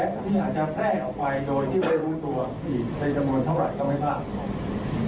เป็นคนที่เข้ามาทำลายความสุขของคนสุราธารณี